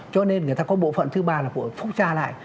cho nên người ta có bộ phận thứ ba là phục tra lại